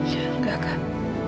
ya enggak kak